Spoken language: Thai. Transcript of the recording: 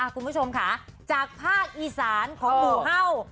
คุณผู้ชมค่ะจากภาคอีสานของหมู่เฮ่า